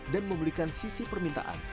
dan memiliki sisi permintaan